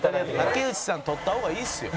「竹内さん撮った方がいいですよ」